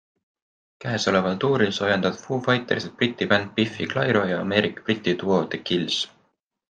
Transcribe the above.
Käesoleval tuuril soojendavad Foo Fightersit Briti bänd Biffy Clyro ja Ameerika-Briti duo The Kills.